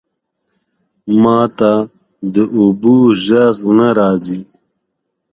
ماته د اوبو ژغ نه راځی